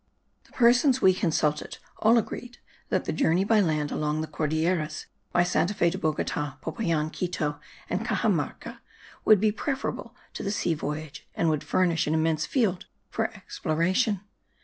The persons we consulted all agreed that the journey by land along the Cordilleras by Santa Fe de Bogota, Popayan, Quito and Caxamarca would be preferable to the sea voyage, and would furnish an immense field for exploration.